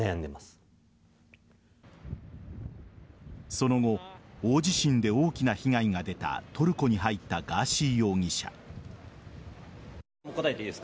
その後大地震で大きな被害が出たトルコに入ったガーシー容疑者。